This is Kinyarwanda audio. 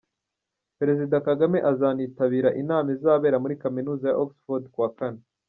Perezida Kagame azanitabira inama izabera muri Kaminuza ya Oxford ku wa Kane.